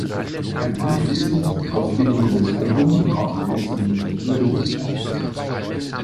Ein anschließend aufgenommenes Album brachte es im November in die Charts.